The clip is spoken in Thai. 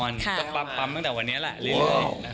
แน่นอนปั๊มตั้งแต่วันนี้แหละเลยเลย